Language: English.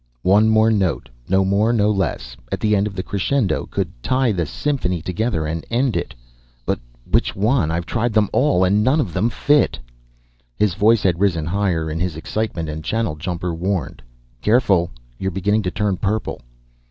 One more note no more, no less at the end of the crescendo could tie the symphony together and end it. But which one? I've tried them all, and none of them fit!" His voice had risen higher in his excitement, and Channeljumper warned, "Careful, you're beginning to turn purple."